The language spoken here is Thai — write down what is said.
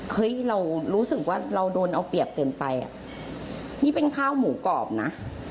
เฮ้ยเรารู้สึกว่าเราโดนเอาเปรียบเกินไปอ่ะนี่เป็นข้าวหมูกรอบนะ